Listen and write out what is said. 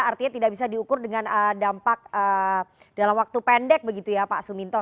artinya tidak bisa diukur dengan dampak dalam waktu pendek begitu ya pak suminto